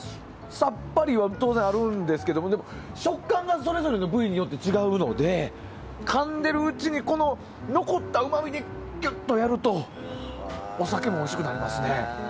さっぱりは当然あるんですけどでも、食感がそれぞれの部位によって違うのでかんでいるうちに残ったうまみにキュッとやるとお酒もおいしくなりますね。